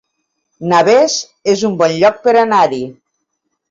Navès es un bon lloc per anar-hi